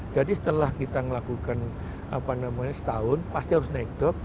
jadi setelah kita melakukan setahun pasti harus naik dong